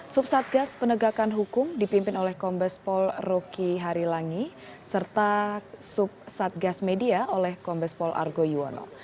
subsatgas penegakan hukum dipimpin oleh kombes pol rocky harilangi serta sub satgas media oleh kombes pol argo yuwono